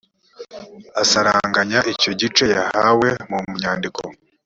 asaranganya icyo gice yahawe mu nyandiko